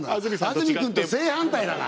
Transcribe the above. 安住くんと正反対だな。